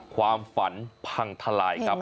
ความฝันพังทลายครับ